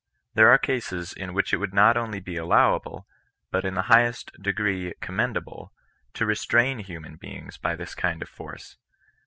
There are cases in which it would not only be allowable, but in the highest degree commend able, to restrain human beings by this kind of force.